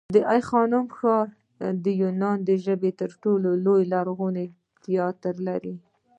د آی خانم ښار د یوناني ژبې تر ټولو لرغونی تیاتر لري